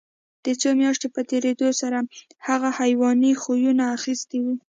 د څو میاشتو په تېرېدو هغوی حیواني خویونه اخیستي وو